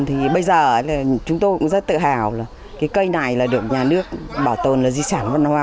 thì bây giờ chúng tôi cũng rất tự hào là cây này được nhà nước bảo tồn là di sản văn hóa